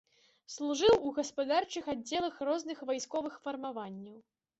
Служыў у гаспадарчых аддзелах розных вайсковых фармаванняў.